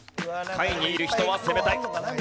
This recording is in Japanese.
下位にいる人は攻めたい。